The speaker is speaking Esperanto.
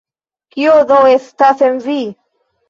Kio do estas en vi?